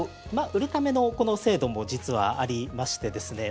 売るための制度も実はありましてですね